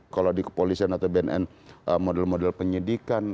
kalau di kepolisian atau bnn model model penyidikan